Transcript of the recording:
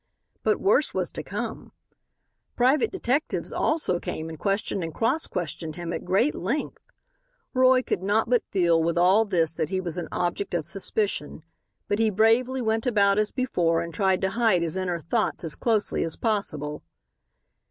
But worse was to come; private detectives also came and questioned and cross questioned him at great length. Roy could not but feel with all this that he was an object of suspicion, but he bravely went about as before and tried to hide his inner thoughts as closely as possible.